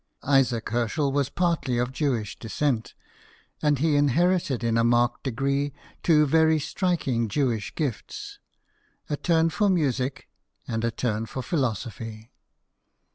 Isaac Herschel was partly of Jewish descent, and he inherited in a marked degree two very striking Jewish gifts a turn for music, and a turn for philosophy.